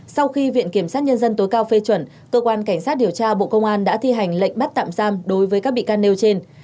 sau khi viện kiểm sát nhân dân tối cao phê chuẩn cơ quan cảnh sát điều tra bộ công an đã thi hành lệnh bắt tạm giam đối với các bị can nêu trên